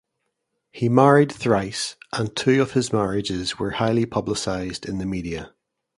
He married thrice and two of his marriages were highly publicised in the media.